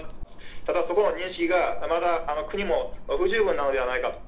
ただそこの認識がまだ国も不十分なのではないか。